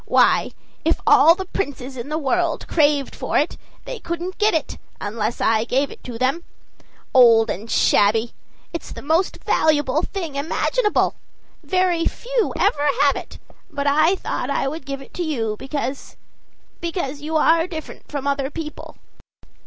Why, if all the princes in the world craved for it, they couldn't get it, unless I gave it them. Old and shabby! It's the most valuable thing imaginable! Very few ever have it; but I thought I would give it to you, because because you are different from other people."